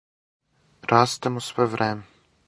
Растемо све време.